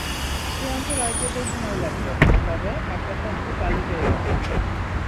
চূড়ান্ত রায় পেতে সময় লাগবে, তবে একটা শাস্তি কালই পেয়ে গেছেন।